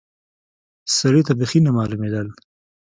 سړي ته بيخي نه معلومېدل.